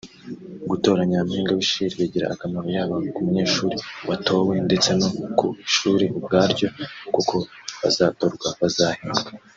“Gutora Nyampinga w’ishiri bigira akamaro yaba ku munyeshuri watowe ndetse no ku ishuri ubwaryo kuko abazatorwa bazahembwa